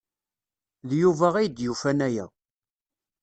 D Yuba ay d-yufan aya.